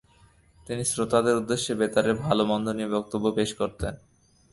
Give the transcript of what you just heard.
তিনি শ্রোতাদের উদ্দেশ্যে বেতারের ভালো মন্দ নিয়ে বক্তব্য পেশ করতেন।